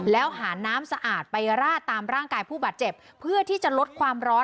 แล้วหาน้ำสะอาดไปราดตามร่างกายผู้บาดเจ็บเพื่อที่จะลดความร้อน